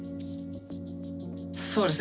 そうですね。